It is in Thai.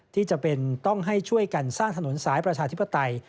ที่จำเป็นต้องให้ช่วยกันสร้างถนนสายประชาธิปไตย